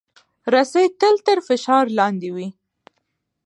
رسۍ تل تر فشار لاندې وي.